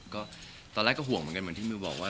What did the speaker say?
ก็ตอนแรกก็ห่วงเหมือนกันเหมือนที่มิวบอกว่า